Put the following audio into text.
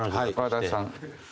和田さん。